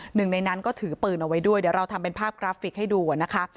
หนึ่งในนั้นก็ถือปืนเอาไว้ด้วยเดี๋ยวเราทำเป็นภาพกราฟิกให้ดูนะคะ